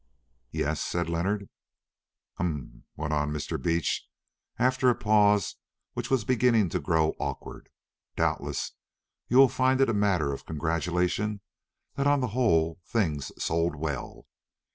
"Yes," said Leonard. "Hum!" went on Mr. Beach, after a pause which was beginning to grow awkward. "Doubtless you will find it a matter for congratulation that on the whole things sold well.